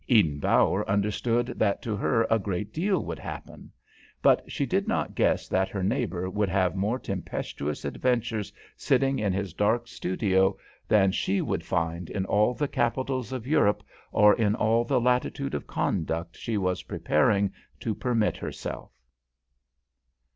Eden Bower understood that to her a great deal would happen. But she did not guess that her neighbour would have more tempestuous adventures sitting in his dark studio than she would find in all the capitals of Europe, or in all the latitude of conduct she was prepared to permit herself.